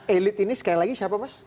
elit ini sekali lagi siapa mas